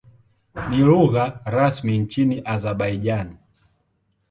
Ni lugha rasmi nchini Azerbaijan.